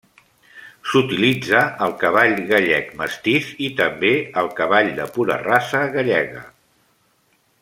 S'utilitza el cavall gallec mestís i també el cavall de pura raça gallega.